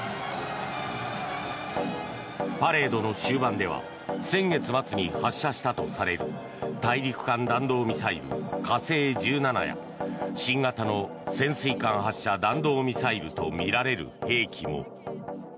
パレードの終盤では先月末に発射したとされる大陸間弾道ミサイル、火星１７や新型の潜水艦発射弾道ミサイルとみられる兵器も。